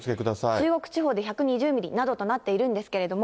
中国地方で１２０ミリなどとなっているんですけれども。